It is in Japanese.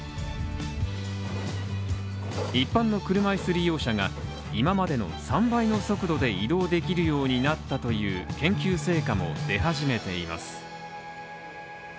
一般の車いす利用者が今までの３倍の速度で移動できるようになったという研究成果も出始めています。